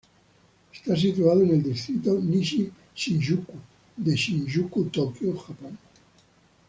Está situado en el distrito Nishi-Shinjuku de Shinjuku, Tokio, Japón.